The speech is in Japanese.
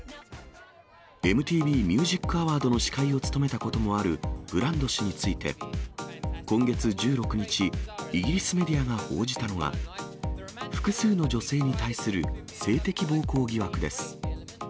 ＭＴＶミュージックアワードの司会を務めたこともあるブランド氏について、今月１６日、イギリスメディアが報じたのは、複数の女性に対する性的暴行疑惑です。